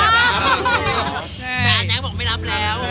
อยากรับรีวิว